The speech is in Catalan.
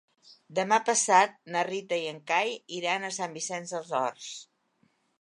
Demà passat na Rita i en Cai iran a Sant Vicenç dels Horts.